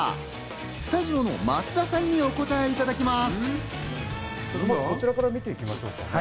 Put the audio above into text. スタジオの松田さんにお答えいただきます。